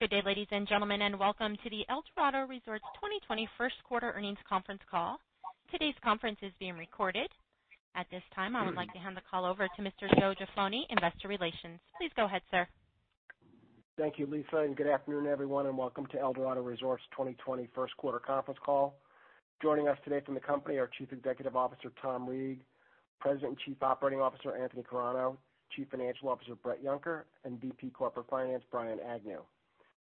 Good day, ladies and gentlemen, and welcome to the Eldorado Resorts 2020 first quarter earnings conference call. Today's conference is being recorded. At this time, I would like to hand the call over to Mr. Joe Jaffoni, investor relations. Please go ahead, sir. Thank you, Lisa, and good afternoon, everyone, and welcome to Eldorado Resorts' 2020 first quarter conference call. Joining us today from the company are Chief Executive Officer, Tom Reeg, President and Chief Operating Officer, Anthony Carano, Chief Financial Officer, Bret Yunker, and VP Corporate Finance, Brian Agnew.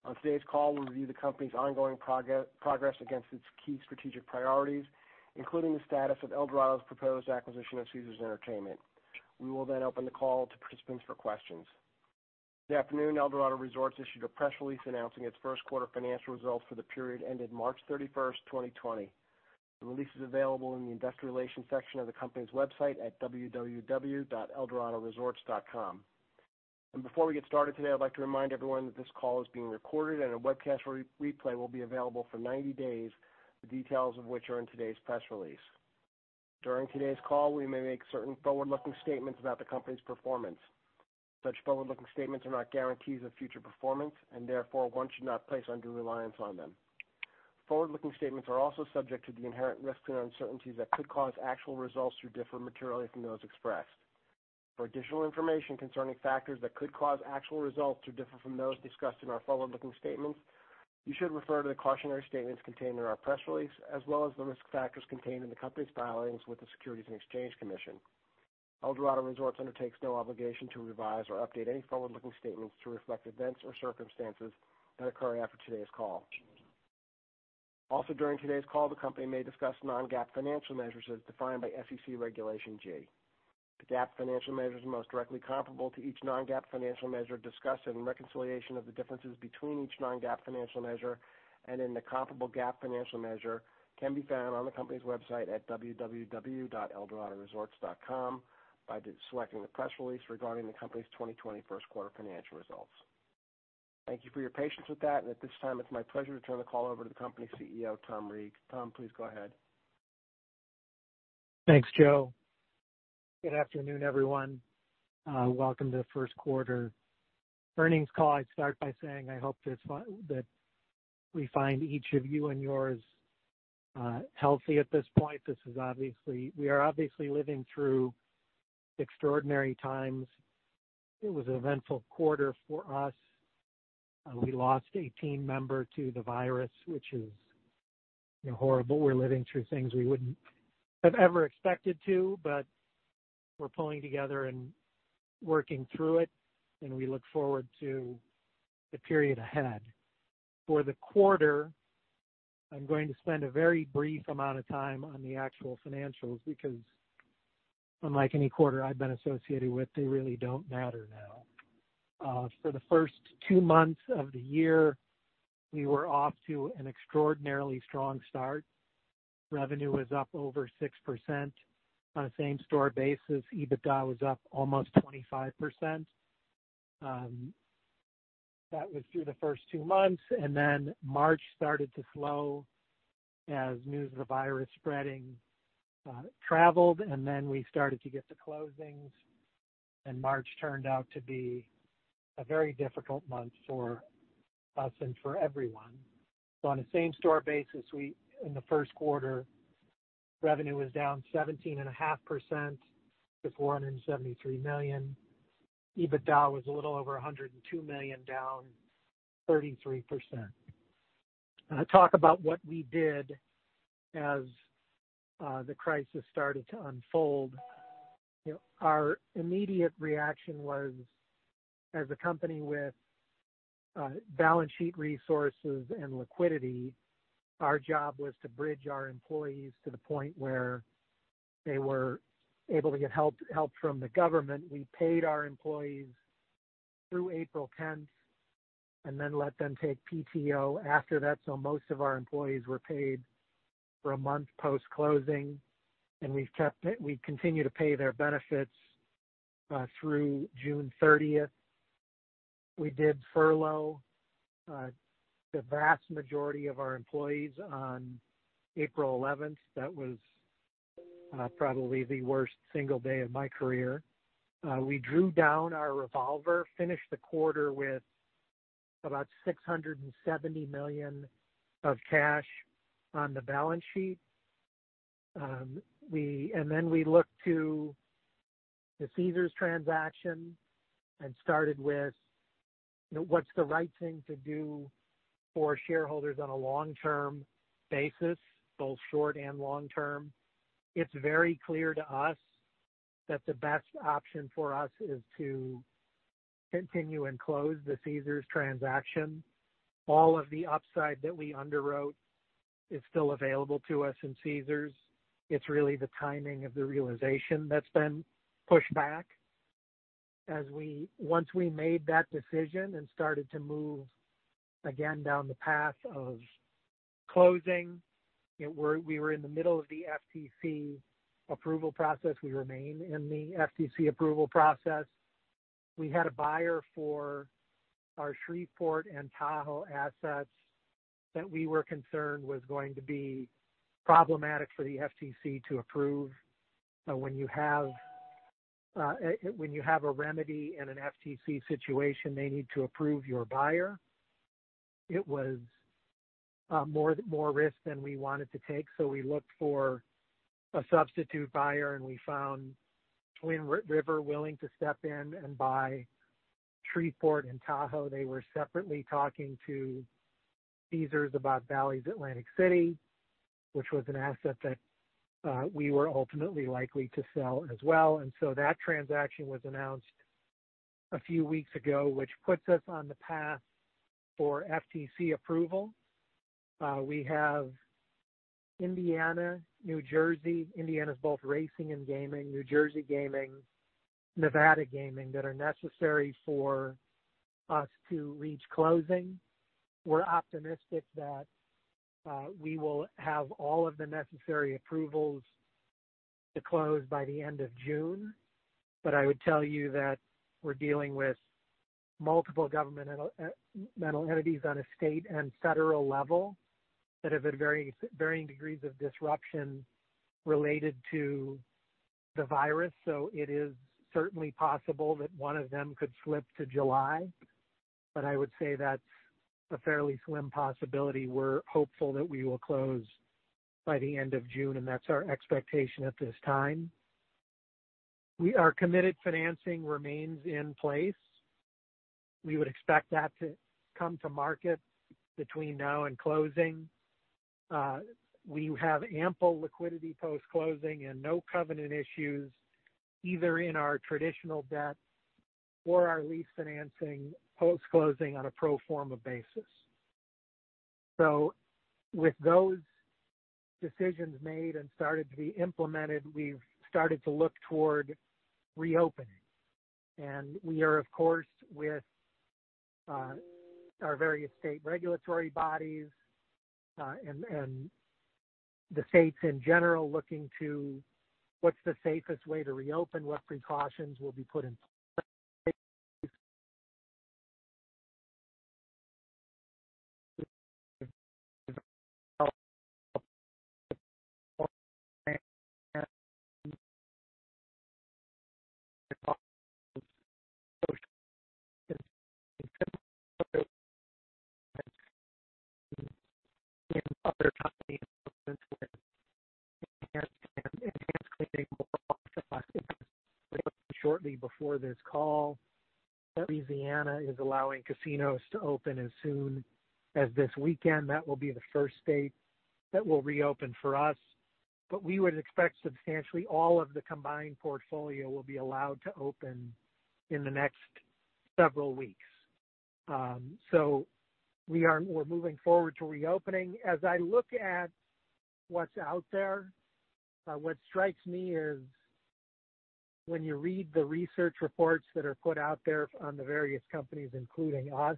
On today's call, we'll review the company's ongoing progress against its key strategic priorities, including the status of Eldorado's proposed acquisition of Caesars Entertainment. We will then open the call to participants for questions. This afternoon, Eldorado Resorts issued a press release announcing its first quarter financial results for the period ended March 31st, 2020. The release is available in the Investor Relations section of the company's website at www.eldoradoresorts.com. Before we get started today, I'd like to remind everyone that this call is being recorded and a webcast replay will be available for 90 days, the details of which are in today's press release. During today's call, we may make certain forward-looking statements about the company's performance. Such forward-looking statements are not guarantees of future performance, and therefore, one should not place undue reliance on them. Forward-looking statements are also subject to the inherent risks and uncertainties that could cause actual results to differ materially from those expressed. For additional information concerning factors that could cause actual results to differ from those discussed in our forward-looking statements, you should refer to the cautionary statements contained in our press release, as well as the risk factors contained in the company's filings with the Securities and Exchange Commission. Eldorado Resorts undertakes no obligation to revise or update any forward-looking statements to reflect events or circumstances that occur after today's call. During today's call, the company may discuss non-GAAP financial measures as defined by SEC Regulation G. The GAAP financial measures most directly comparable to each non-GAAP financial measure discussed and a reconciliation of the differences between each non-GAAP financial measure and then the comparable GAAP financial measure can be found on the company's website at www.eldoradoresorts.com by selecting the press release regarding the company's 2020 first quarter financial results. Thank you for your patience with that. At this time, it's my pleasure to turn the call over to the company CEO, Tom Reeg. Tom, please go ahead. Thanks, Joe. Good afternoon, everyone. Welcome to the first quarter earnings call. I'd start by saying I hope that we find each of you and yours healthy at this point. We are obviously living through extraordinary times. It was an eventful quarter for us. We lost a team member to the virus, which is horrible. We're living through things we wouldn't have ever expected to, but we're pulling together and working through it, and we look forward to the period ahead. For the quarter, I'm going to spend a very brief amount of time on the actual financials because unlike any quarter I've been associated with, they really don't matter now. For the first two months of the year, we were off to an extraordinarily strong start. Revenue was up over 6% on a same-store basis. EBITDA was up almost 25%. That was through the first two months. March started to slow as news of the virus spreading traveled. We started to get the closings. March turned out to be a very difficult month for us and for everyone. On a same-store basis, in the first quarter, revenue was down 17.5% to $473 million. EBITDA was a little over $102 million, down 33%. I'm going to talk about what we did as the crisis started to unfold. Our immediate reaction was, as a company with balance sheet resources and liquidity, our job was to bridge our employees to the point where they were able to get help from the government. We paid our employees through April 10th and then let them take PTO after that, so most of our employees were paid for a month post-closing, and we continue to pay their benefits through June 30th. We did furlough the vast majority of our employees on April 11th. That was probably the worst single day of my career. We drew down our revolver, finished the quarter with about $670 million of cash on the balance sheet. We looked to the Caesars transaction and started with what's the right thing to do for shareholders on a long-term basis, both short and long term. It's very clear to us that the best option for us is to continue and close the Caesars transaction. All of the upside that we underwrote is still available to us in Caesars. It's really the timing of the realization that's been pushed back. Once we made that decision and started to move again down the path of closing, we were in the middle of the FTC approval process. We remain in the FTC approval process. We had a buyer for our Shreveport and Tahoe assets that we were concerned was going to be problematic for the FTC to approve. When you have a remedy in an FTC situation, they need to approve your buyer. It was more risk than we wanted to take, so we looked for a substitute buyer, and we found Twin River willing to step in and buy Shreveport and Tahoe. They were separately talking to Caesars about Bally's Atlantic City, which was an asset that we were ultimately likely to sell as well. That transaction was announced a few weeks ago, which puts us on the path for FTC approval. We have Indiana, New Jersey, Indiana's both racing and gaming, New Jersey gaming, Nevada gaming, that are necessary for us to reach closing. We're optimistic that we will have all of the necessary approvals to close by the end of June. I would tell you that we're dealing with multiple governmental entities on a state and federal level that have had varying degrees of disruption related to the virus. It is certainly possible that one of them could slip to July. I would say that's a fairly slim possibility. We're hopeful that we will close by the end of June. That's our expectation at this time. Our committed financing remains in place. We would expect that to come to market between now and closing. We have ample liquidity post-closing and no covenant issues either in our traditional debt or our lease financing post-closing on a pro forma basis. With those decisions made and started to be implemented, we've started to look toward reopening. We are, of course, with our various state regulatory bodies, and the states in general, looking to what's the safest way to reopen, what precautions will be put in place. Shortly before this call, Louisiana is allowing casinos to open as soon as this weekend. That will be the first state that will reopen for us. We would expect substantially all of the combined portfolio will be allowed to open in the next several weeks. We're moving forward to reopening. As I look at what's out there, what strikes me is when you read the research reports that are put out there on the various companies, including us,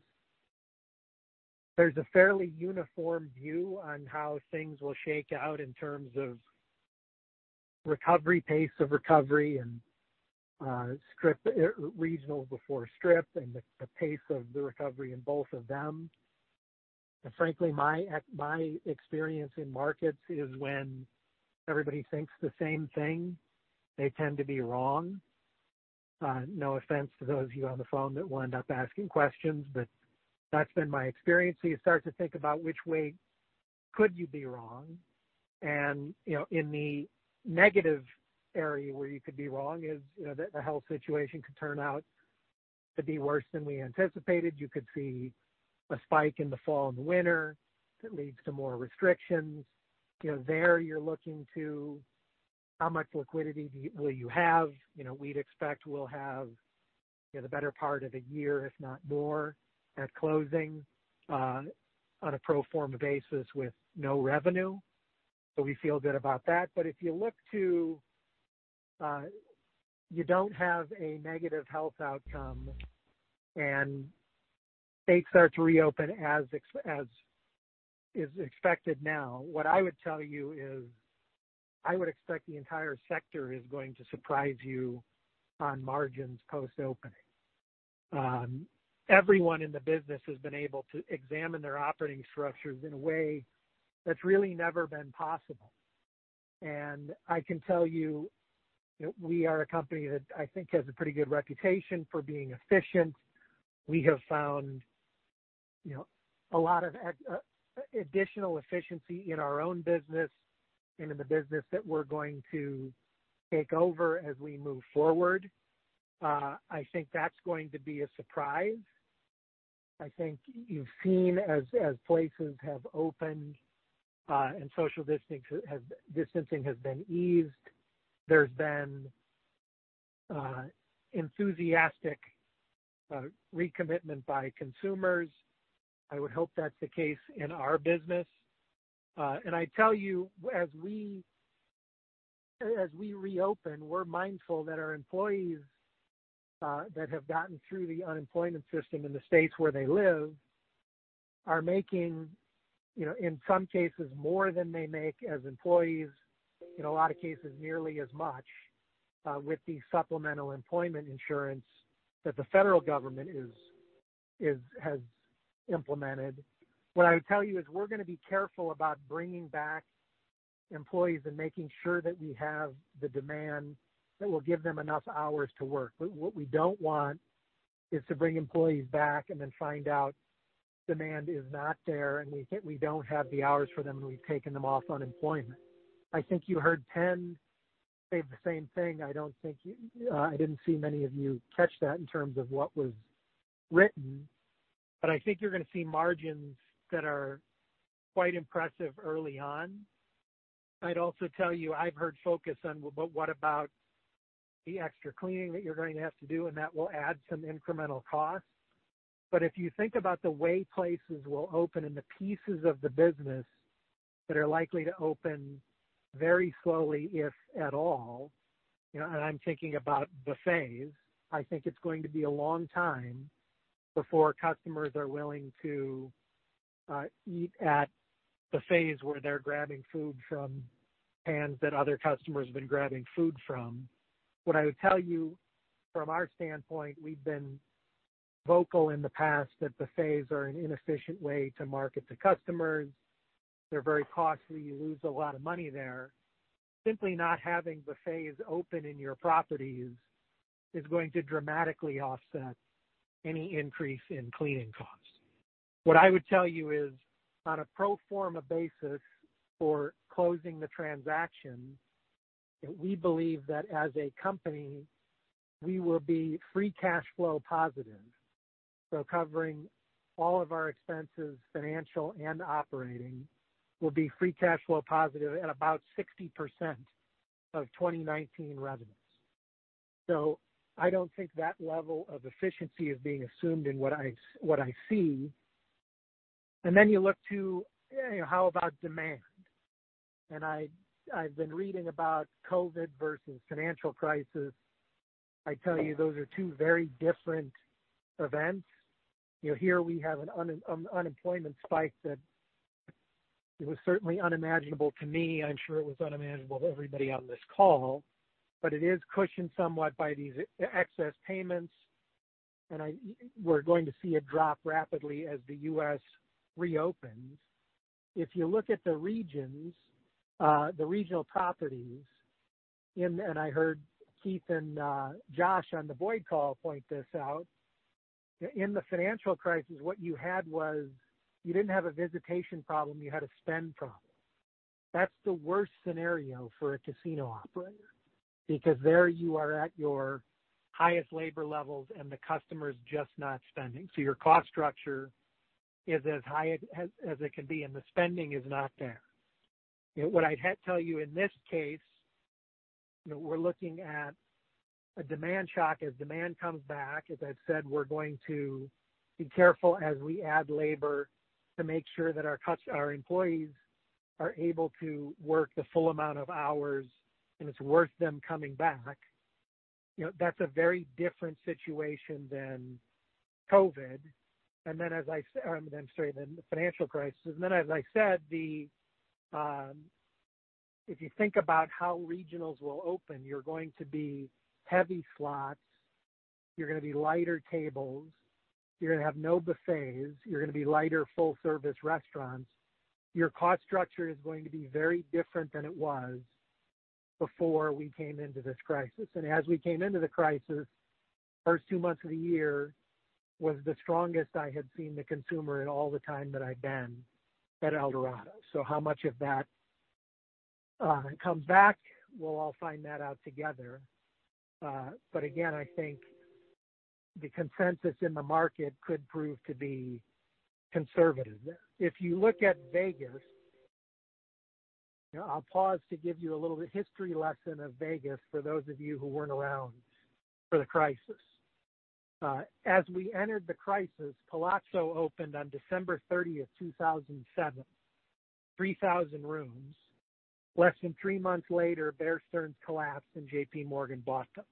there's a fairly uniform view on how things will shake out in terms of recovery, pace of recovery, and regional before Strip, and the pace of the recovery in both of them. Frankly, my experience in markets is when everybody thinks the same thing, they tend to be wrong. No offense to those of you on the phone that will end up asking questions, but that's been my experience. You start to think about which way could you be wrong? In the negative area where you could be wrong is that the health situation could turn out to be worse than we anticipated. You could see a spike in the fall and the winter that leads to more restrictions. There, you're looking to how much liquidity will you have. We'd expect we'll have the better part of a year, if not more, at closing on a pro forma basis with no revenue. We feel good about that. If you look to you don't have a negative health outcome and states start to reopen as is expected now, what I would tell you is I would expect the entire sector is going to surprise you on margins post-opening. Everyone in the business has been able to examine their operating structures in a way that's really never been possible. I can tell you that we are a company that I think has a pretty good reputation for being efficient. We have found a lot of additional efficiency in our own business and in the business that we're going to take over as we move forward. I think that's going to be a surprise. I think you've seen as places have opened, and social distancing has been eased, there's been enthusiastic recommitment by consumers. I would hope that's the case in our business. I tell you, as we reopen, we're mindful that our employees that have gotten through the unemployment system in the states where they live are making, in some cases, more than they make as employees, in a lot of cases, nearly as much with the supplemental employment insurance that the federal government has implemented. What I would tell you is we're going to be careful about bringing back employees and making sure that we have the demand that will give them enough hours to work. What we don't want is to bring employees back and then find out demand is not there, and we don't have the hours for them, and we've taken them off unemployment. I think you heard Penn say the same thing. I didn't see many of you catch that in terms of what was written, but I think you're going to see margins that are quite impressive early on. I'd also tell you, I've heard focus on, but what about the extra cleaning that you're going to have to do, and that will add some incremental cost. If you think about the way places will open and the pieces of the business that are likely to open very slowly, if at all, and I'm thinking about buffets. I think it's going to be a long time before customers are willing to eat at buffets where they're grabbing food from pans that other customers have been grabbing food from. What I would tell you from our standpoint, we've been vocal in the past that buffets are an inefficient way to market to customers. They're very costly. You lose a lot of money there. Simply not having buffets open in your properties is going to dramatically offset any increase in cleaning costs. What I would tell you is, on a pro forma basis for closing the transaction, that we believe that as a company, we will be free cash flow positive. Covering all of our expenses, financial and operating, will be free cash flow positive at about 60% of 2019 revenues. I don't think that level of efficiency is being assumed in what I see. Then you look to, how about demand? I've been reading about COVID versus financial crisis. I tell you, those are two very different events. Here we have an unemployment spike that was certainly unimaginable to me. I'm sure it was unimaginable to everybody on this call. It is cushioned somewhat by these excess payments, and we're going to see it drop rapidly as the U.S. reopens. If you look at the regions, the regional properties, and I heard Keith and Josh on the Boyd call point this out. In the financial crisis, what you had was, you didn't have a visitation problem, you had a spend problem. That's the worst scenario for a casino operator because there you are at your highest labor levels and the customer's just not spending. Your cost structure is as high as it can be, and the spending is not there. What I'd tell you in this case, we're looking at a demand shock. As demand comes back, as I've said, we're going to be careful as we add labor to make sure that our employees are able to work the full amount of hours, and it's worth them coming back. That's a very different situation than COVID. I'm sorry, the financial crisis. Then, as I said, if you think about how regionals will open, you're going to be heavy slots, you're going to be lighter tables, you're going to have no buffets, you're going to be lighter full-service restaurants. Your cost structure is going to be very different than it was before we came into this crisis. As we came into the crisis, the first two months of the year was the strongest I had seen the consumer in all the time that I've been at Eldorado. How much of that comes back? We'll all find that out together. Again, I think the consensus in the market could prove to be conservative. If you look at Vegas, I'll pause to give you a little history lesson of Vegas for those of you who weren't around for the crisis. As we entered the crisis, Palazzo opened on December 30th, 2007, 3,000 rooms. Less than three months later, Bear Stearns collapsed, and JPMorgan bought them.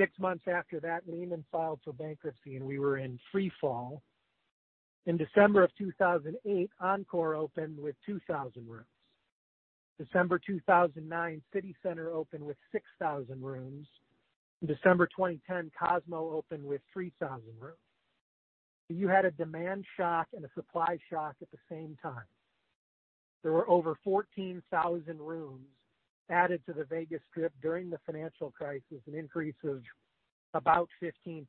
Six months after that, Lehman filed for bankruptcy, and we were in free fall. In December of 2008, Encore opened with 2,000 rooms. December 2009, CityCenter opened with 6,000 rooms. In December 2010, Cosmo opened with 3,000 rooms. You had a demand shock and a supply shock at the same time. There were over 14,000 rooms added to the Vegas Strip during the financial crisis, an increase of about 15%.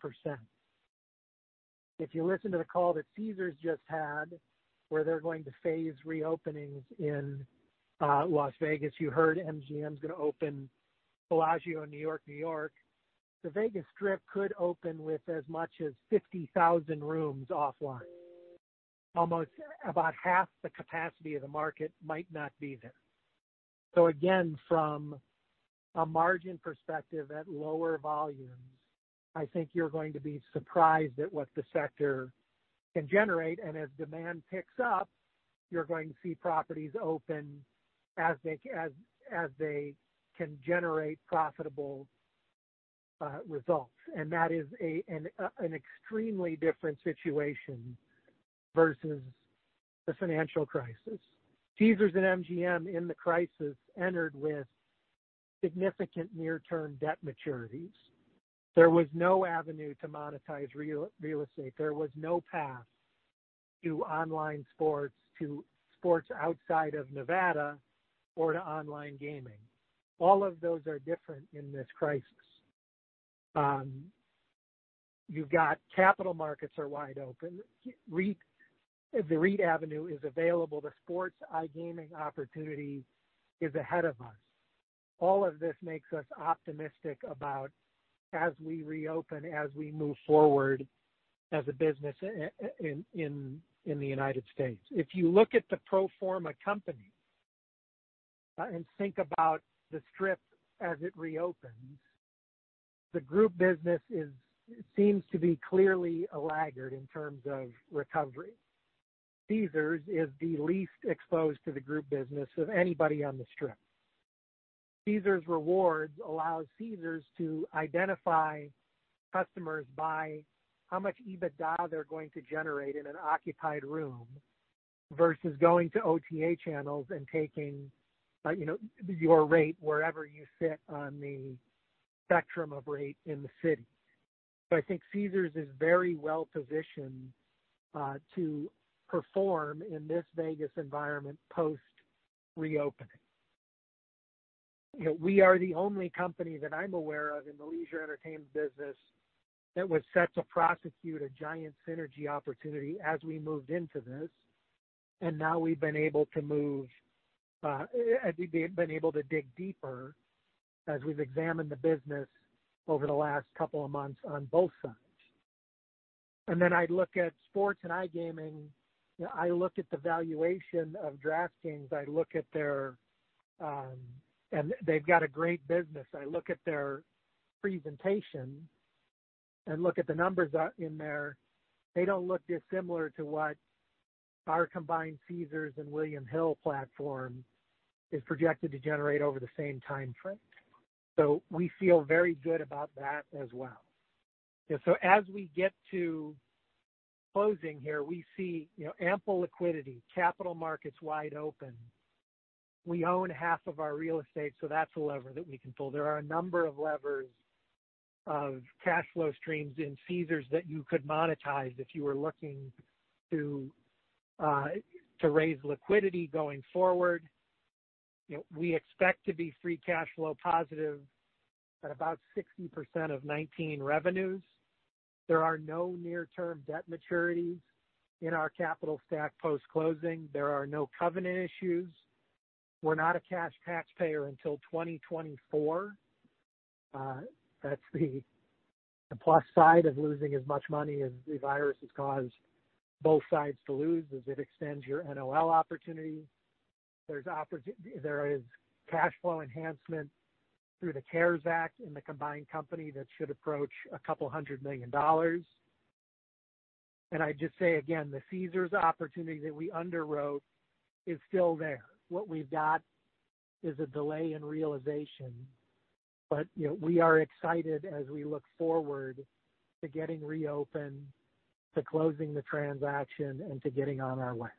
If you listen to the call that Caesars just had, where they're going to phase reopenings in Las Vegas, you heard MGM's going to open Bellagio and New York, New York. The Vegas Strip could open with as much as 50,000 rooms offline. Almost about half the capacity of the market might not be there. Again, from a margin perspective, at lower volumes, I think you're going to be surprised at what the sector can generate. As demand picks up, you're going to see properties open as they can generate profitable results. That is an extremely different situation versus the financial crisis. Caesars and MGM in the crisis entered with significant near-term debt maturities. There was no avenue to monetize real estate. There was no path to online sports, to sports outside of Nevada, or to online gaming. All of those are different in this crisis. You've got capital markets are wide open. The REIT avenue is available. The sports iGaming opportunity is ahead of us. All of this makes us optimistic about as we reopen, as we move forward as a business in the United States. If you look at the pro forma company and think about the Strip as it reopens, the group business seems to be clearly a laggard in terms of recovery. Caesars is the least exposed to the group business of anybody on the Strip. Caesars Rewards allows Caesars to identify customers by how much EBITDA they're going to generate in an occupied room versus going to OTA channels and taking your rate wherever you sit on the spectrum of rate in the city. I think Caesars is very well-positioned to perform in this Vegas environment post reopening. We are the only company that I'm aware of in the leisure entertainment business that was set to prosecute a giant synergy opportunity as we moved into this, and now we've been able to dig deeper as we've examined the business over the last couple of months on both sides. I look at sports and iGaming; I look at the valuation of DraftKings. They've got a great business. I look at their presentation and look at the numbers in there. They don't look dissimilar to what our combined Caesars and William Hill platform is projected to generate over the same time frame. We feel very good about that as well. As we get to closing here, we see ample liquidity, capital markets wide open. We own half of our real estate; that's a lever that we can pull. There are a number of levers of cash flow streams in Caesars that you could monetize if you were looking to raise liquidity going forward. We expect to be free cash flow positive at about 60% of 2019 revenues. There are no near-term debt maturities in our capital stack post-closing. There are no covenant issues. We're not a cash taxpayer until 2024. That's the plus side of losing as much money as the virus has caused both sides to lose as it extends your NOL opportunity. There is cash flow enhancement through the CARES Act in the combined company that should approach a couple hundred million dollars. I'd just say again, the Caesars opportunity that we underwrote is still there. What we've got is a delay in realization. We are excited as we look forward to getting reopened, to closing the transaction, and to getting on our way.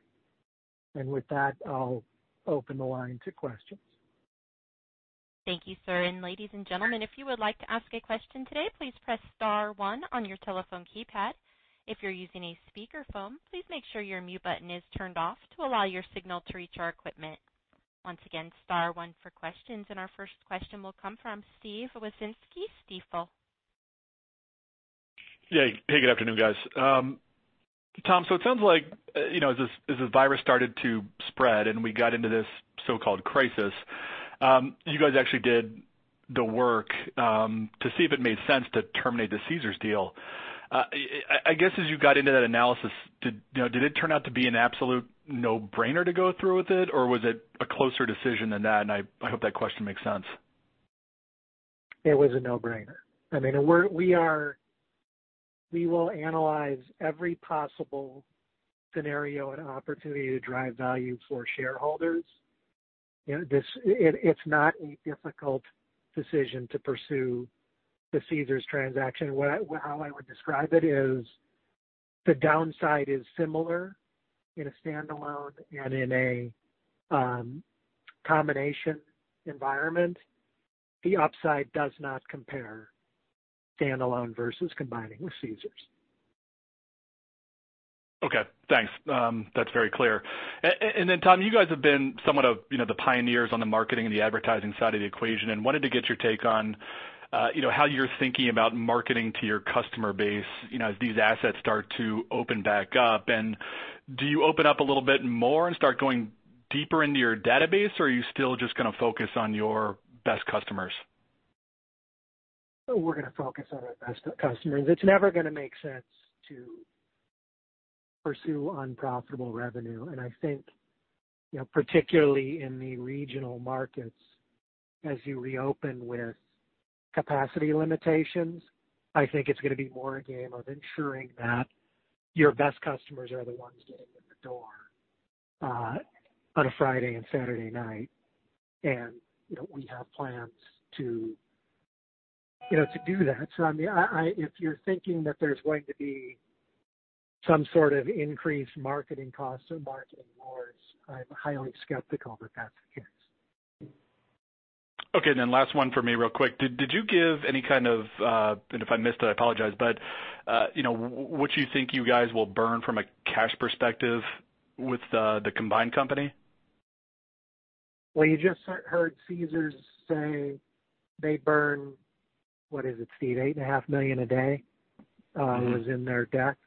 With that, I'll open the line to questions. Thank you, sir. Ladies and gentlemen, if you would like to ask a question today, please press star one on your telephone keypad. If you're using a speakerphone, please make sure your mute button is turned off to allow your signal to reach our equipment. Once again, star one for questions. Our first question will come from Steve Wieczynski, Stifel. Yeah. Hey, good afternoon, guys. Tom, it sounds like as this virus started to spread and we got into this so-called crisis, you guys actually did the work to see if it made sense to terminate the Caesars deal. I guess as you got into that analysis, did it turn out to be an absolute no-brainer to go through with it, or was it a closer decision than that? I hope that question makes sense. It was a no-brainer. We will analyze every possible scenario and opportunity to drive value for shareholders. It's not a difficult decision to pursue the Caesars transaction. How I would describe it is the downside is similar in a standalone and in a combination environment. The upside does not compare standalone versus combining with Caesars. Okay, thanks. That's very clear. Then Tom, you guys have been somewhat of the pioneers on the marketing and the advertising side of the equation and wanted to get your take on how you're thinking about marketing to your customer base as these assets start to open back up. Do you open up a little bit more and start going deeper into your database, or are you still just going to focus on your best customers? We're going to focus on our best customers. It's never going to make sense to pursue unprofitable revenue. I think, particularly in the regional markets, as you reopen with capacity limitations, I think it's going to be more a game of ensuring that your best customers are the ones getting in the door on a Friday and Saturday night. We have plans to do that. If you're thinking that there's going to be some sort of increased marketing costs or marketing wars, I'm highly skeptical that that's the case. Okay, last one for me real quick. Did you give any kind of, and if I missed it, I apologize, but what you think you guys will burn from a cash perspective with the combined company? Well, you just heard Caesars say they burn, what is it, Steve? $8.5 million a day was in their deck.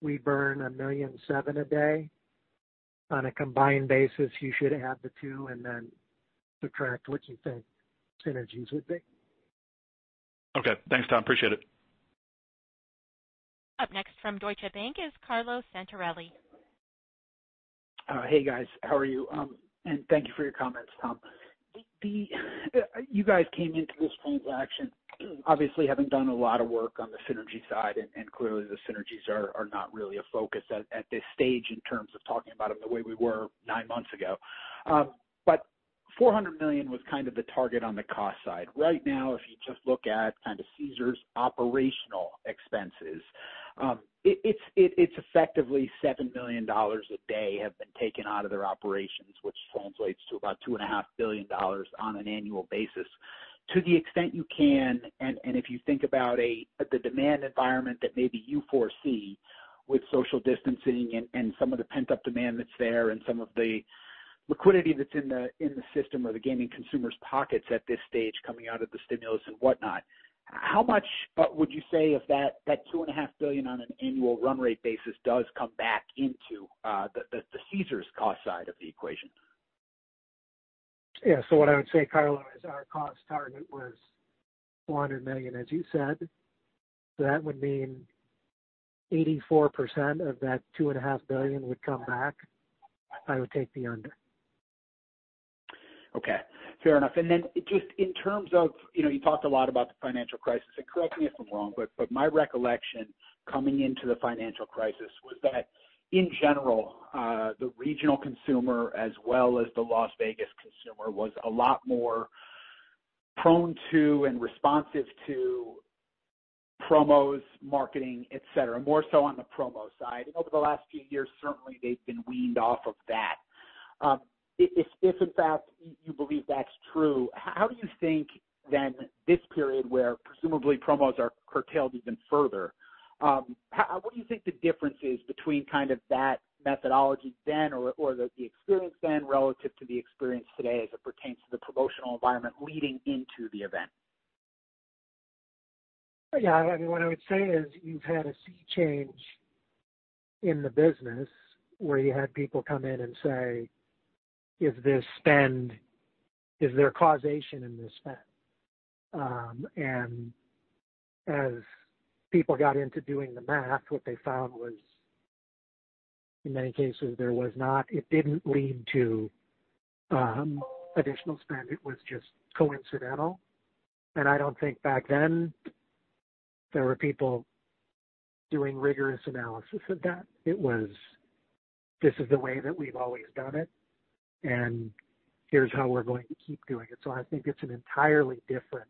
We burn $1.7 million a day. On a combined basis, you should add the two and then subtract what you think synergies would be. Okay. Thanks, Tom. Appreciate it. Up next from Deutsche Bank is Carlo Santarelli. Hey, guys. How are you? Thank you for your comments, Tom. You guys came into this transaction obviously having done a lot of work on the synergy side, and clearly the synergies are not really a focus at this stage in terms of talking about them the way we were nine months ago. $400 million was kind of the target on the cost side. Right now, if you just look at kind of Caesars' operational expenses, it's effectively $7 million a day have been taken out of their operations, which translates to about $2.5 billion on an annual basis. To the extent you can, if you think about the demand environment that maybe you foresee with social distancing and some of the pent-up demand that's there and some of the liquidity that's in the system or the gaming consumers' pockets at this stage coming out of the stimulus and whatnot, how much would you say if that $2.5 billion on an annual run rate basis does come back into the Caesars cost side of the equation? Yeah. What I would say, Carlo, is our cost target was $400 million, as you said. That would mean 84% of that $2.5 billion would come back. I would take the under. Okay. Fair enough. Then just in terms of, you talked a lot about the financial crisis, correct me if I'm wrong, but my recollection coming into the financial crisis was that in general, the regional consumer as well as the Las Vegas consumer was a lot more prone to and responsive to promos, marketing, et cetera, more so on the promo side. Over the last few years, certainly they've been weaned off of that. If in fact you believe that's true, how do you think then this period where presumably promos are curtailed even further, what do you think the difference is between kind of that methodology then or the experience then relative to the experience today as it pertains to the promotional environment leading into the event? Yeah. What I would say is you've had a sea change in the business where you had people come in and say, "Is there a causation in this spend?" As people got into doing the math, what they found was in many cases, there was not. It didn't lead to additional spend. It was just coincidental. I don't think back then there were people doing rigorous analysis of that. It was, "This is the way that we've always done it, and here's how we're going to keep doing it." I think it's an entirely different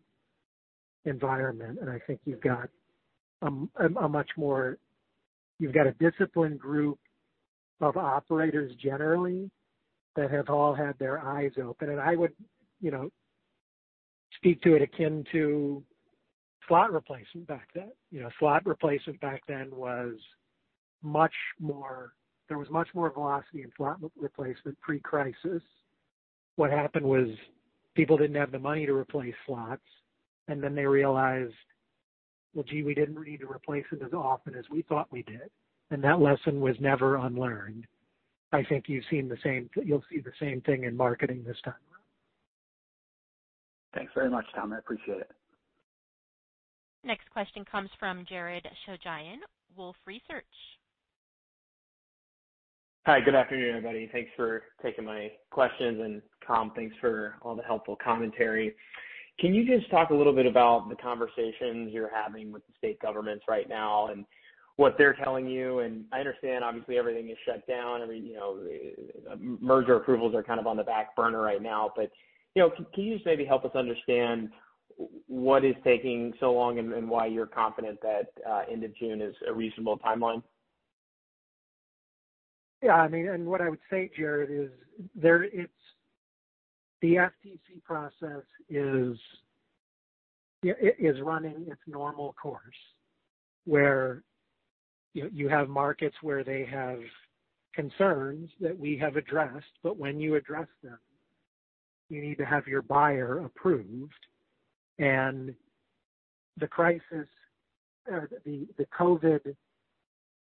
environment, and I think you've got a disciplined group of operators generally that have all had their eyes open. I would speak to it akin to slot replacement back then. There was much more velocity in slot replacement pre-crisis. What happened was people didn't have the money to replace slots. They realized, "Well, gee, we didn't need to replace it as often as we thought we did." That lesson was never unlearned. I think you'll see the same thing in marketing this time around. Thanks very much, Tom. I appreciate it. Next question comes from Jared Shojaian, Wolfe Research. Hi, good afternoon, everybody. Thanks for taking my questions, and Tom, thanks for all the helpful commentary. Can you just talk a little bit about the conversations you're having with the state governments right now and what they're telling you? I understand obviously everything is shut down. Merger approvals are kind of on the back burner right now. Can you just maybe help us understand what is taking so long and why you're confident that end of June is a reasonable timeline? Yeah. What I would say, Jared, is the FTC process is running its normal course, where you have markets where they have concerns that we have addressed, but when you address them, you need to have your buyer approved. The COVID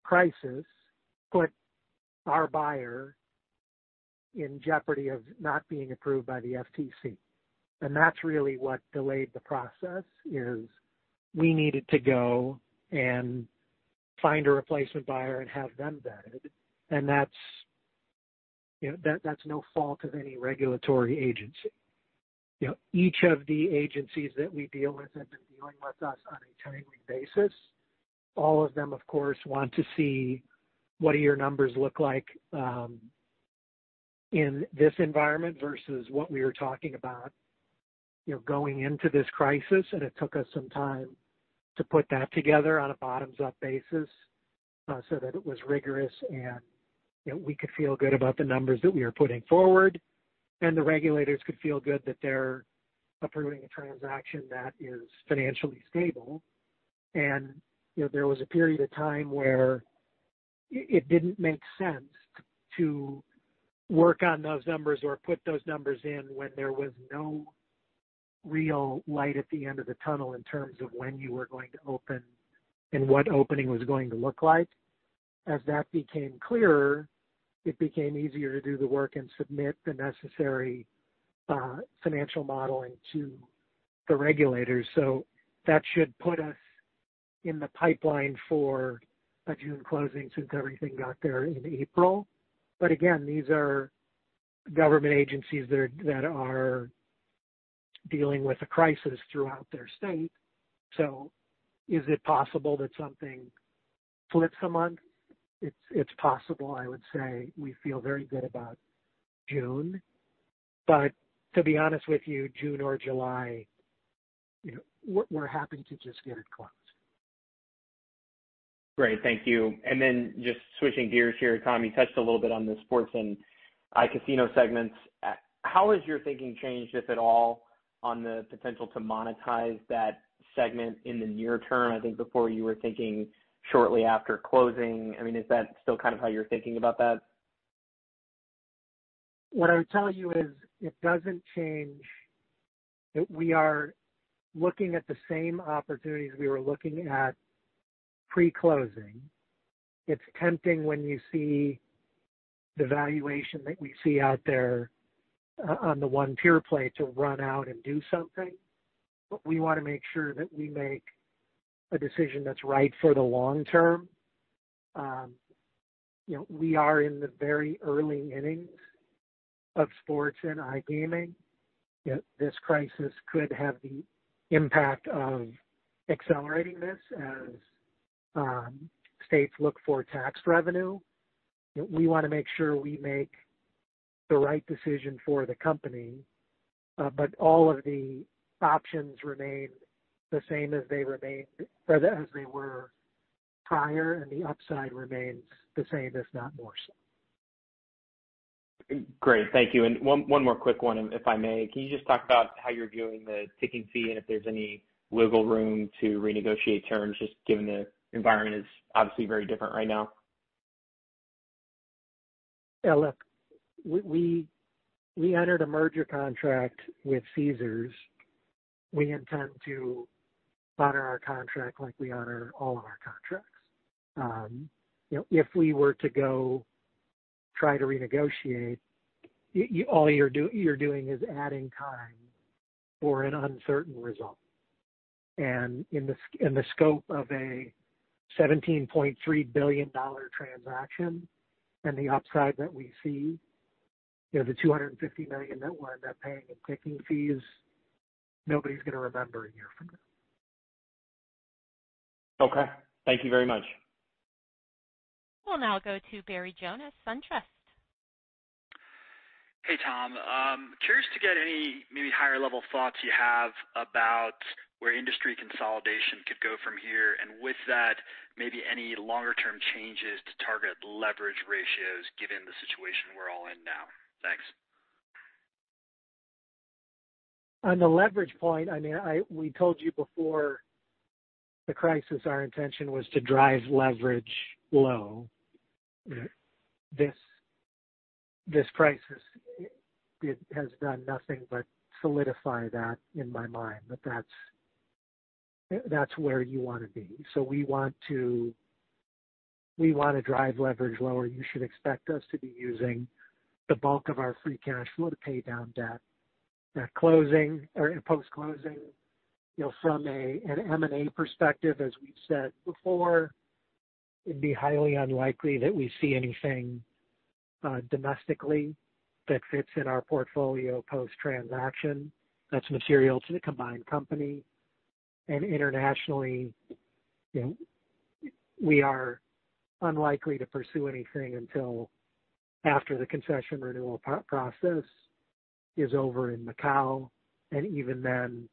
crisis put our buyer in jeopardy of not being approved by the FTC. That's really what delayed the process, is we needed to go and find a replacement buyer and have them vetted. That's no fault of any regulatory agency. Each of the agencies that we deal with have been dealing with us on a timely basis. All of them, of course, want to see what your numbers look like in this environment versus what we were talking about going into this crisis. It took us some time to put that together on a bottoms-up basis so that it was rigorous, and we could feel good about the numbers that we are putting forward, and the regulators could feel good that they're approving a transaction that is financially stable. There was a period of time where it didn't make sense to work on those numbers or put those numbers in when there was no real light at the end of the tunnel in terms of when you were going to open and what opening was going to look like. As that became clearer, it became easier to do the work and submit the necessary financial modeling to the regulators. That should put us in the pipeline for a June closing, since everything got there in April. Again, these are government agencies that are dealing with a crisis throughout their state. Is it possible that something slips a month? It's possible. I would say we feel very good about June, but to be honest with you, June or July, we're happy to just get it closed. Great. Thank you. Just switching gears here, Tom, you touched a little bit on the sports and iCasino segments. How has your thinking changed, if at all, on the potential to monetize that segment in the near term? I think before you were thinking shortly after closing. Is that still how you're thinking about that? What I would tell you is it doesn't change, that we are looking at the same opportunities we were looking at pre-closing. It's tempting when you see the valuation that we see out there on the one pure play to run out and do something. We want to make sure that we make a decision that's right for the long term. We are in the very early innings of sports and iGaming. This crisis could have the impact of accelerating this as states look for tax revenue. We want to make sure we make the right decision for the company. All of the options remain the same as they were prior, and the upside remains the same, if not more so. Great. Thank you. One more quick one, if I may. Can you just talk about how you're viewing the ticking fee and if there's any wiggle room to renegotiate terms, just given the environment is obviously very different right now? Yeah, look, we entered a merger contract with Caesars. We intend to honor our contract like we honor all of our contracts. If we were to go try to renegotiate, all you're doing is adding time for an uncertain result. In the scope of a $17.3 billion transaction and the upside that we see, the $250 million that we'll end up paying in ticking fees, nobody's going to remember a year from now. Okay. Thank you very much. We'll now go to Barry Jonas, SunTrust. Hey, Tom. Curious to get any maybe higher-level thoughts you have about where industry consolidation could go from here, and with that, maybe any longer-term changes to target leverage ratios given the situation we're all in now. Thanks. On the leverage point, we told you before the crisis, our intention was to drive leverage low. This crisis has done nothing but solidify that in my mind. That's where you want to be. We want to drive leverage lower. You should expect us to be using the bulk of our free cash flow to pay down debt. At closing or post-closing, from an M&A perspective, as we've said before, it'd be highly unlikely that we see anything domestically that fits in our portfolio post-transaction that's material to the combined company. Internationally, we are unlikely to pursue anything until after the concession renewal process is over in Macau. Even then,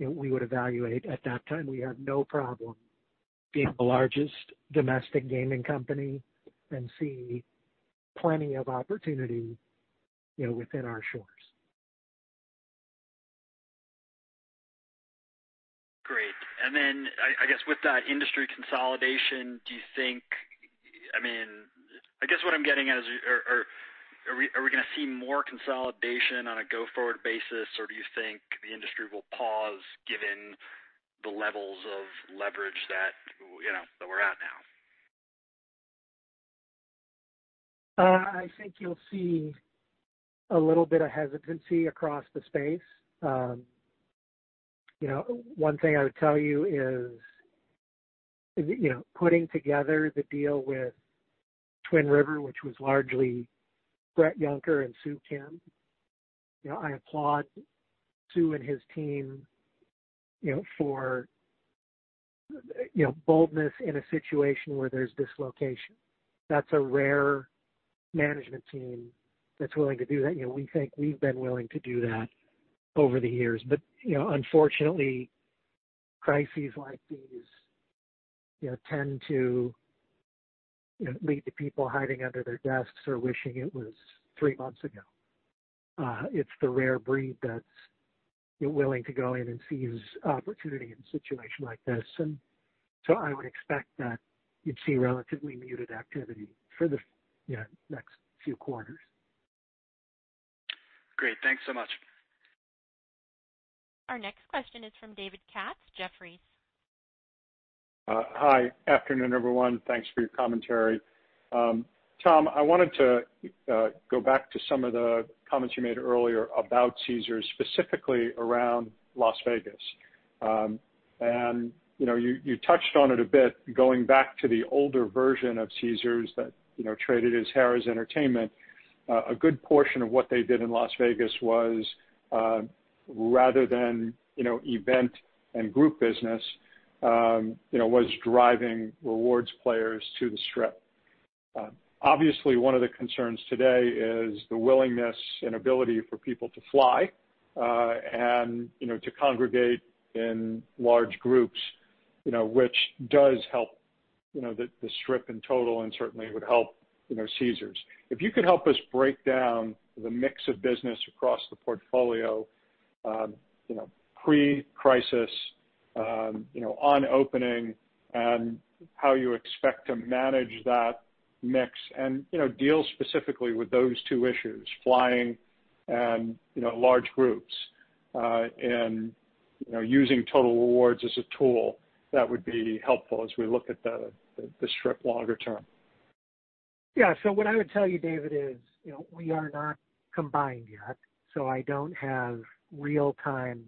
we would evaluate at that time. We have no problem being the largest domestic gaming company and see plenty of opportunity within our shores. Great. I guess with that industry consolidation, I guess what I'm getting at is, are we going to see more consolidation on a go-forward basis? Do you think the industry will pause given the levels of leverage that we're at now? I think you'll see a little bit of hesitancy across the space. One thing I would tell you is putting together the deal with Twin River, which was largely Bret Yunker and Soo Kim. I applaud Sue and his team for boldness in a situation where there's dislocation. That's a rare management team that's willing to do that. We think we've been willing to do that over the years. Unfortunately, crises like these tend to lead to people hiding under their desks or wishing it was three months ago. It's the rare breed that's willing to go in and seize opportunity in a situation like this. I would expect that you'd see relatively muted activity for the next few quarters. Great. Thanks so much. Our next question is from David Katz, Jefferies. Hi. Afternoon, everyone. Thanks for your commentary. Tom, I wanted to go back to some of the comments you made earlier about Caesars, specifically around Las Vegas. You touched on it a bit, going back to the older version of Caesars that traded as Harrah's Entertainment. A good portion of what they did in Las Vegas was, rather than event and group business, was driving rewards players to the Strip. Obviously, one of the concerns today is the willingness and ability for people to fly and to congregate in large groups which does help the Strip in total and certainly would help Caesars. If you could help us break down the mix of business across the portfolio pre-crisis, on opening, and how you expect to manage that mix and deal specifically with those two issues, flying and large groups, and using Total Rewards as a tool, that would be helpful as we look at the Strip longer term. Yeah. What I would tell you, David, is we are not combined yet, so I don't have real-time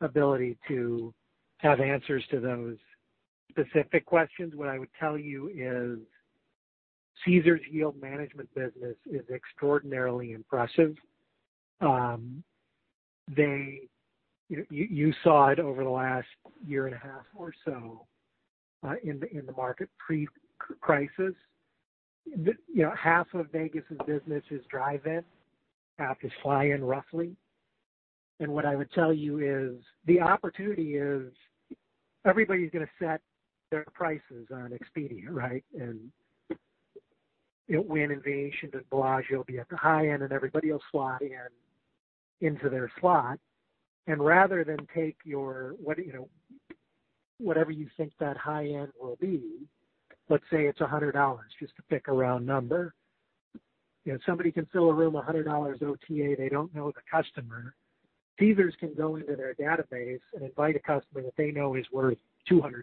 ability to have answers to those specific questions. What I would tell you is Caesars yield management business is extraordinarily impressive. You saw it over the last year and a half or so in the market pre-crisis. Half of Vegas's business is drive-in, half is fly-in, roughly. What I would tell you is the opportunity is everybody's going to set their prices on Expedia, right? Wynn and Venetian and Bellagio will be at the high end, and everybody will slot in into their slot. Rather than take whatever you think that high end will be, let's say it's $100, just to pick a round number. If somebody can fill a room $100 OTA, they don't know the customer. Caesars can go into their database and invite a customer that they know is worth $200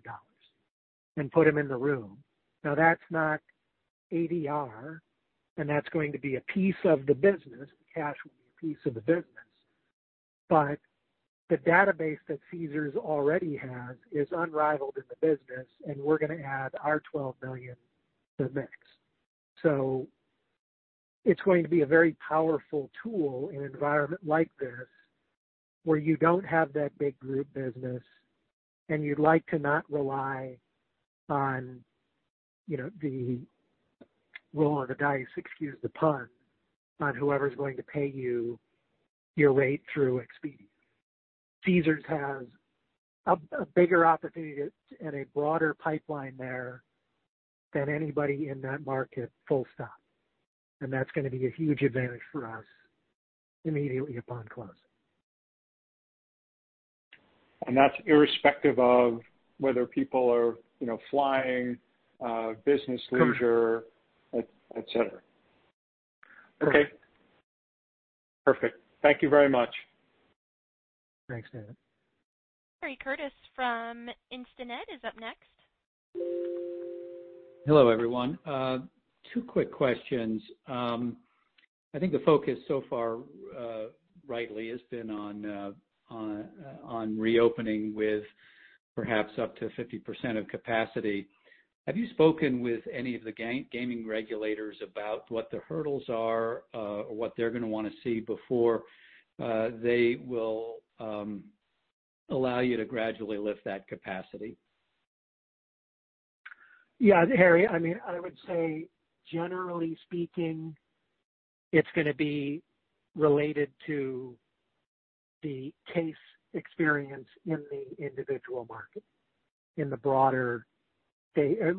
and put them in the room. Now, that's not ADR, and that's going to be a piece of the business, cash will be a piece of the business. The database that Caesars already has is unrivaled in the business, and we're going to add our 12 million to the mix. It's going to be a very powerful tool in an environment like this where you don't have that big group business and you'd like to not rely on the roll of the dice, excuse the pun, on whoever's going to pay you your rate through Expedia. Caesars has a bigger opportunity to and a broader pipeline there than anybody in that market, full stop. That's going to be a huge advantage for us immediately upon closing. That's irrespective of whether people are flying business- Correct leisure, et cetera. Correct. Okay. Perfect. Thank you very much. Thanks, David. Harry Curtis from Instinet is up next. Hello, everyone. Two quick questions. I think the focus so far, rightly, has been on reopening with perhaps up to 50% of capacity. Have you spoken with any of the gaming regulators about what the hurdles are or what they're going to want to see before they will allow you to gradually lift that capacity? Yeah, Harry. I would say, generally speaking, it's going to be related to the case experience in the individual market, in the broader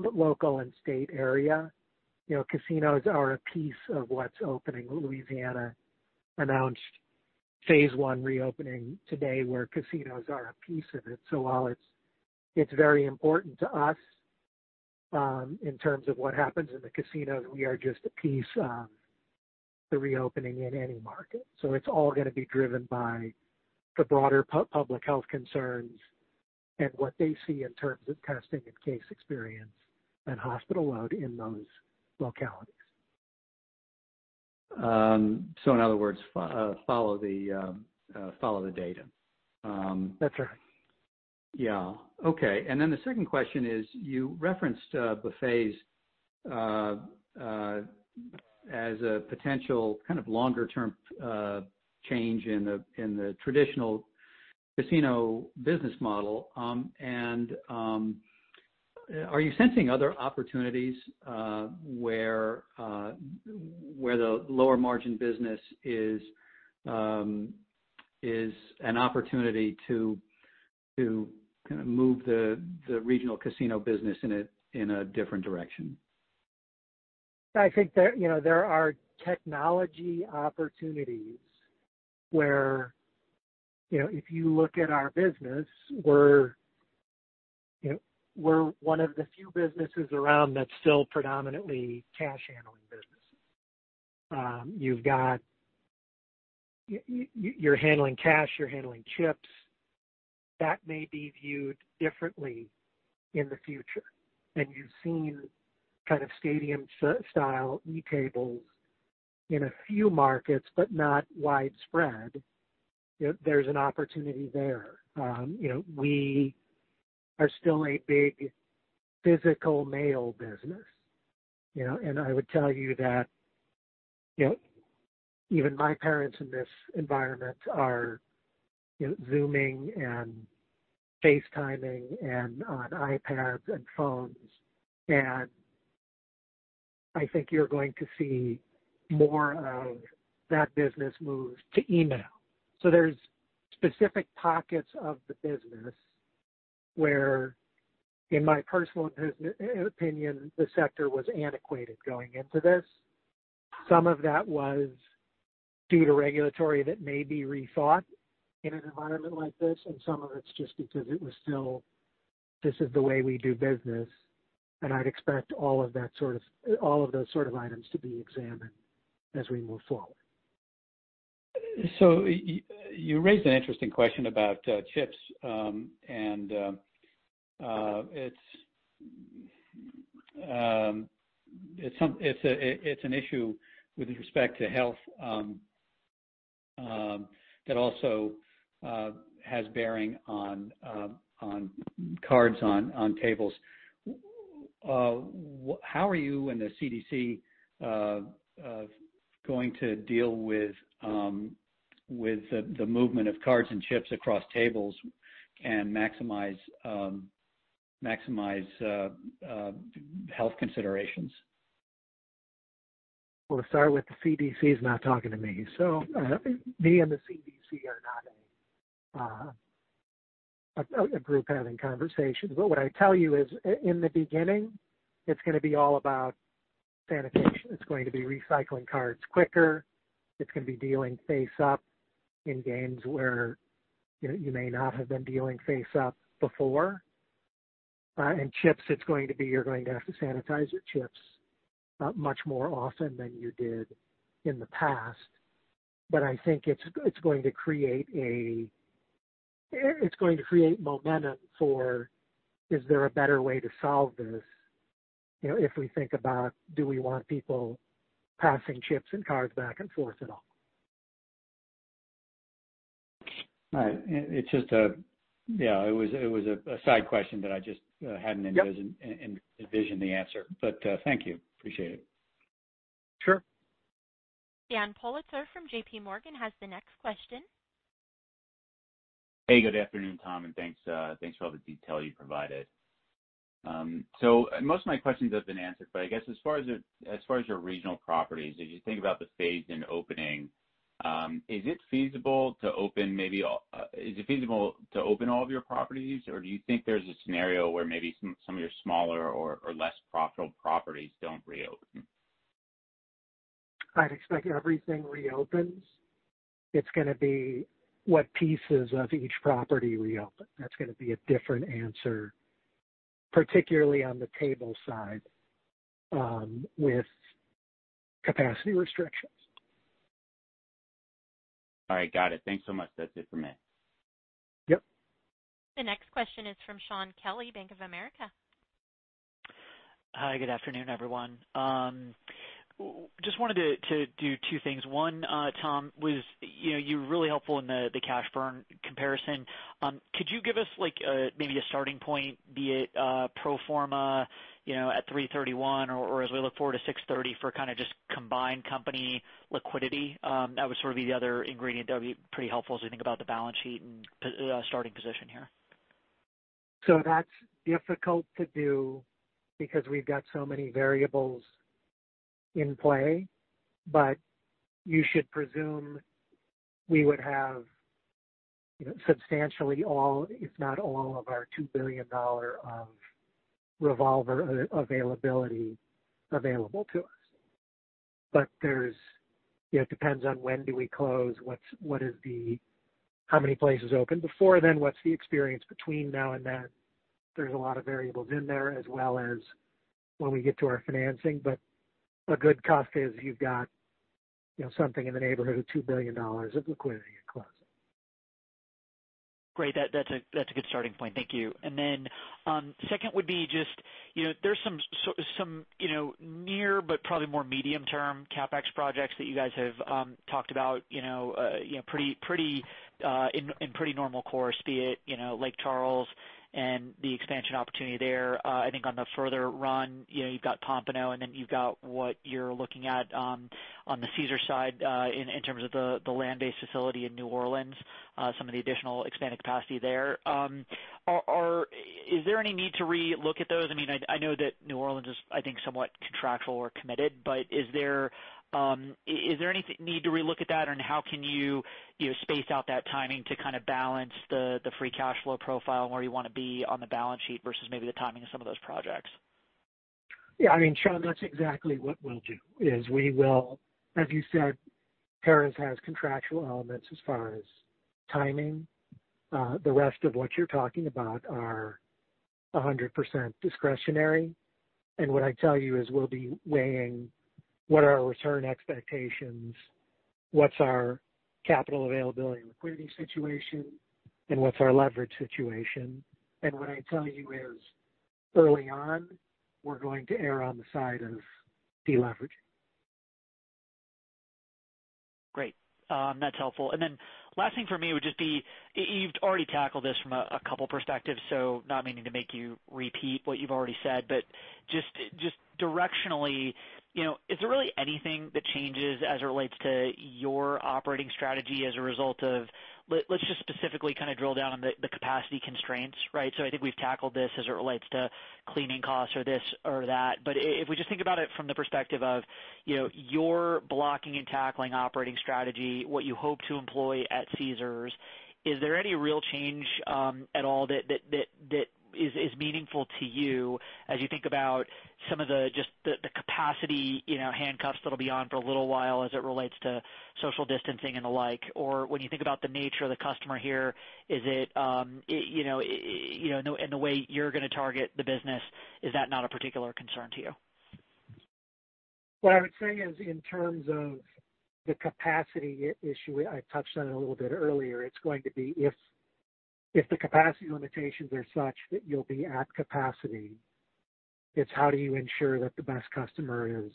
local and state area. Casinos are a piece of what's opening. Louisiana announced phase one reopening today, where casinos are a piece of it. While it's very important to us in terms of what happens in the casinos, we are just a piece of the reopening in any market. It's all going to be driven by the broader public health concerns and what they see in terms of testing and case experience and hospital load in those localities. In other words, follow the data. That's right. Yeah. Okay. The second question is you referenced buffets as a potential kind of longer-term change in the traditional casino business model. Are you sensing other opportunities where the lower margin business is an opportunity to kind of move the regional casino business in a different direction? I think there are technology opportunities where, if you look at our business, we're one of the few businesses around that's still predominantly cash-handling business. You're handling cash, you're handling chips. That may be viewed differently in the future. You've seen kind of stadium style e-tables in a few markets, but not widespread. There's an opportunity there. We are still a big physical mailman, and I would tell you that even my parents in this environment are Zooming and FaceTiming and on iPads and phones, and I think you're going to see more of that business move to email. There's specific pockets of the business where, in my personal opinion, the sector was antiquated going into this. Some of that was due to regulatory that may be rethought in an environment like this, and some of it's just because it was still, "This is the way we do business." I'd expect all of those sort of items to be examined as we move forward. You raised an interesting question about chips, and it's an issue with respect to health, that also has bearing on cards on tables. How are you and the CDC going to deal with the movement of cards and chips across tables and maximize health considerations? To start with, the CDC's not talking to me, so me and the CDC are not a group having conversations. What I tell you is, in the beginning, it's going to be all about sanitation. It's going to be recycling cards quicker. It's going to be dealing face up in games where you may not have been dealing face up before. Chips, you're going to have to sanitize your chips much more often than you did in the past. I think it's going to create momentum for, is there a better way to solve this? If we think about, do we want people passing chips and cards back and forth. Right. It was a side question that I just hadn't envisioned the answer. Thank you. Appreciate it. Sure. Dan Politzer from JPMorgan has the next question. Hey, good afternoon, Tom, and thanks for all the detail you provided. Most of my questions have been answered, but I guess as far as your regional properties, as you think about the phased-in opening, is it feasible to open all of your properties, or do you think there's a scenario where maybe some of your smaller or less profitable properties don't reopen? I'd expect everything reopens. It's going to be what pieces of each property reopen. That's going to be a different answer, particularly on the table side, with capacity restrictions. All right. Got it. Thanks so much. That's it for me. Yep. The next question is from Shaun Kelley, Bank of America. Hi, good afternoon, everyone. Just wanted to do two things. One, Tom, you were really helpful in the cash burn comparison. Could you give us maybe a starting point, be it pro forma at 3/31 or as we look forward to 6/30 for kind of just combined company liquidity? That would sort of be the other ingredient that would be pretty helpful as we think about the balance sheet and starting position here. That's difficult to do because we've got so many variables in play, but you should presume we would have substantially all, if not all, of our $2 billion of revolver availability available to us. It depends on when do we close, how many places opened before then? What's the experience between now and then? There's a lot of variables in there as well as when we get to our financing, but a good cost is you've got something in the neighborhood of $2 billion of liquidity at closing. Great. That's a good starting point. Thank you. Then second would be just, there's some near but probably more medium term CapEx projects that you guys have talked about in pretty normal course, be it Lake Charles and the expansion opportunity there. I think on the further run, you've got Pompano, and then you've got what you're looking at on the Caesars side in terms of the land-based facility in New Orleans, some of the additional expanded capacity there. Is there any need to re-look at those? I know that New Orleans is, I think, somewhat contractual or committed, but is there any need to re-look at that? How can you space out that timing to kind of balance the free cash flow profile and where you want to be on the balance sheet versus maybe the timing of some of those projects? Shaun, that's exactly what we'll do is we will, as you said, Paris has contractual elements as far as timing. The rest of what you're talking about are 100% discretionary. What I'd tell you is we'll be weighing what are our return expectations, what's our capital availability and liquidity situation, and what's our leverage situation. What I'd tell you is early on, we're going to err on the side of de-leveraging. Great. That's helpful. Last thing from me would just be, you've already tackled this from a couple perspectives, so not meaning to make you repeat what you've already said, but just directionally, is there really anything that changes as it relates to your operating strategy? Let's just specifically kind of drill down on the capacity constraints, right? I think we've tackled this as it relates to cleaning costs or this or that. If we just think about it from the perspective of your blocking and tackling operating strategy, what you hope to employ at Caesars, is there any real change at all that is meaningful to you as you think about some of just the capacity handcuffs that'll be on for a little while as it relates to social distancing and the like? When you think about the nature of the customer here and the way you're going to target the business, is that not a particular concern to you? What I would say is in terms of the capacity issue, I touched on it a little bit earlier. It's going to be if the capacity limitations are such that you'll be at capacity, it's how do you ensure that the best customer is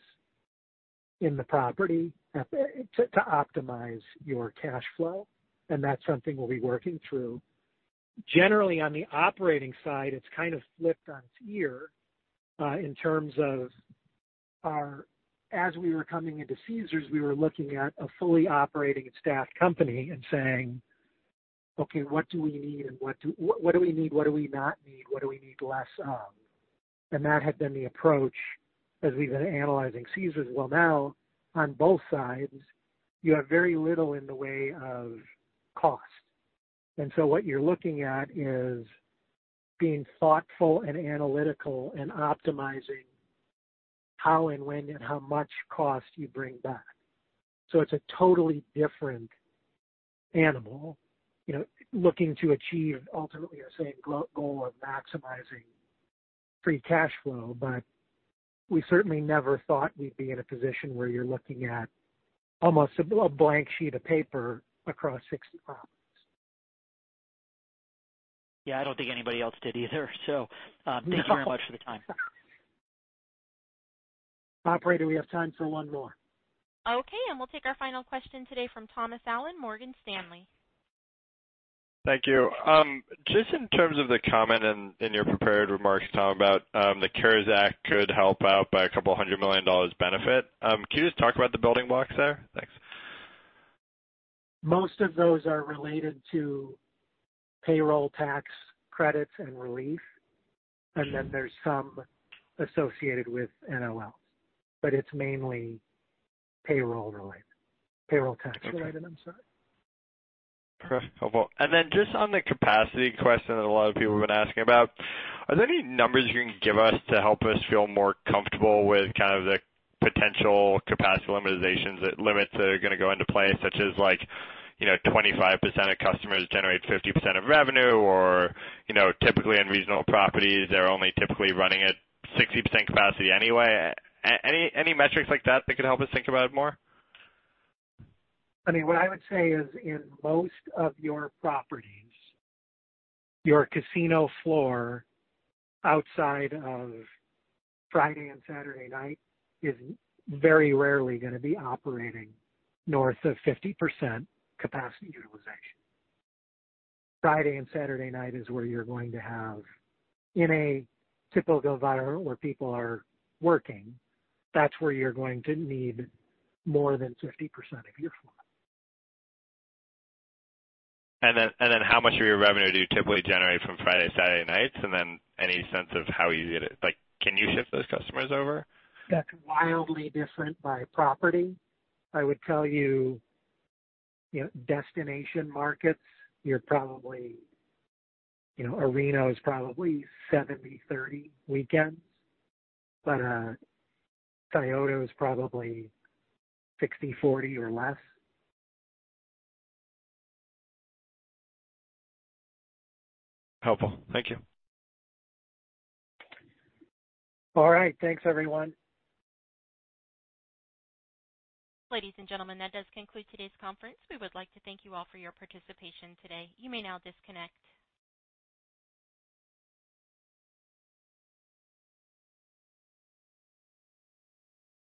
in the property to optimize your cash flow. That's something we'll be working through. Generally, on the operating side, it's kind of flipped on its ear in terms of as we were coming into Caesars, we were looking at a fully operating and staffed company and saying, "Okay, what do we need? What do we not need? What do we need less of?" That had been the approach as we've been analyzing Caesars. Now on both sides, you have very little in the way of cost. What you're looking at is being thoughtful and analytical and optimizing how and when and how much cost you bring back. It's a totally different animal looking to achieve ultimately the same goal of maximizing free cash flow. We certainly never thought we'd be in a position where you're looking at almost a blank sheet of paper across 60 properties. Yeah, I don't think anybody else did either. Thank you very much for the time. Operator, we have time for one more. Okay, we'll take our final question today from Thomas Allen, Morgan Stanley. Thank you. Just in terms of the comment in your prepared remarks, Tom, about the CARES Act could help out by a $200 million benefit. Can you just talk about the building blocks there? Thanks. Most of those are related to payroll tax credits and relief, and then there's some associated with NOLs, but it's mainly payroll related. Payroll tax related, I'm sorry. Perfect. Helpful. Then just on the capacity question that a lot of people have been asking about, are there any numbers you can give us to help us feel more comfortable with kind of the potential capacity limits that are going to go into play, such as like, 25% of customers generate 50% of revenue or, typically on regional properties, they're only typically running at 60% capacity anyway. Any metrics like that could help us think about it more? What I would say is in most of your properties, your casino floor outside of Friday and Saturday night is very rarely going to be operating north of 50% capacity utilization. Friday and Saturday night is where you're going to have in a typical environment where people are working, that's where you're going to need more than 50% of your floor. How much of your revenue do you typically generate from Friday, Saturday nights? Any sense of how easy it is, like, can you shift those customers over? That's wildly different by property. I would tell you, destination markets, Reno is probably 70/30 weekends, but Scioto is probably 60/40 or less. Helpful. Thank you. All right. Thanks, everyone. Ladies and gentlemen, that does conclude today's conference. We would like to thank you all for your participation today. You may now disconnect.